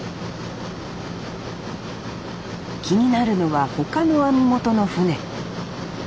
気になるのは他の網元の船